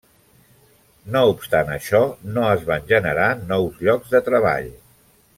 No obstant això, no es van generar nous llocs de treball.